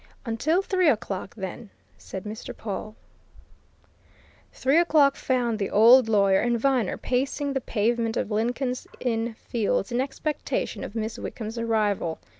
"Until three o'clock, then," said Mr. Pawle. Three o'clock found the old lawyer and Viner pacing the pavement of Lincoln's Inn Fields in expectation of Miss Wickham's arrival.